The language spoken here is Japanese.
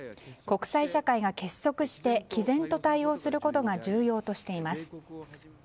国際社会が結束して毅然と対応することが重要としています。